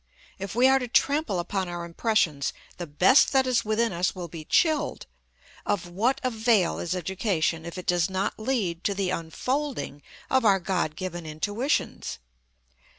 If we are to trample upon our impressions the best that is within us will be chilled. Of what avail is education if it does not lead to the unfolding of our God given intuitions?